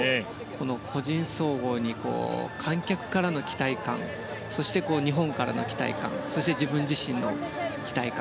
この個人総合に観客からの期待感そして日本からの期待感そして自分自身の期待感。